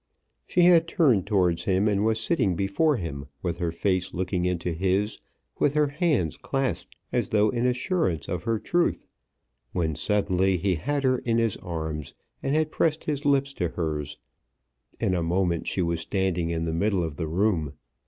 She had turned towards him, and was sitting before him with her face looking into his, with her hands clasped as though in assurance of her truth; when suddenly he had her in his arms and had pressed his lips to hers. In a moment she was standing in the middle of the room.